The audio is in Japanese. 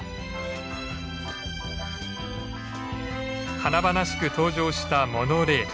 華々しく登場したモノレール。